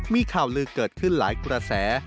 มีข่าวลือเกิดขึ้นหลายกระแส